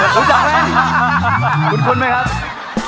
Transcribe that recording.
คุ้นไหมครับ